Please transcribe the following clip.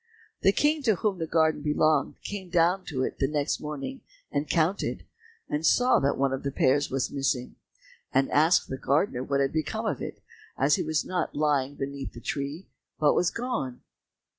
The King to whom the garden belonged, came down to it next morning, and counted, and saw that one of the pears was missing, and asked the gardener what had become of it, as it was not lying beneath the tree, but was gone.